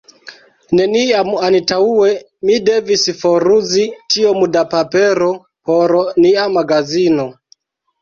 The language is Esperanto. Neniam antaŭe mi devis foruzi tiom da papero por nia magazino.